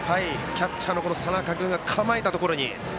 キャッチャーの佐仲君が構えたところに。